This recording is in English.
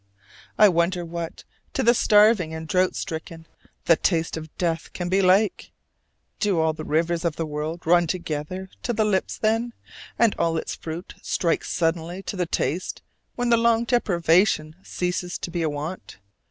I wonder what, to the starving and drought stricken, the taste of death can be like! Do all the rivers of the world run together to the lips then, and all its fruits strike suddenly to the taste when the long deprivation ceases to be a want?